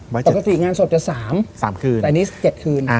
ปกติงานศพจะ๓คืนแต่อันนี้๗คืน